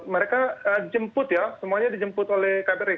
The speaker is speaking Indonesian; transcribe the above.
mereka jemput ya semuanya dijemput oleh kbri